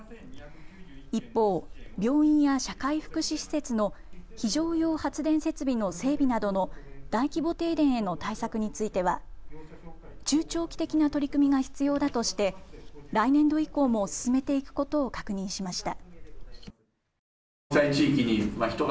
一方、病院や社会福祉施設の非常用発電設備の整備などの大規模停電への対策については中長期的な取り組みが必要だとして来年度以降も進めていくことを確認しました。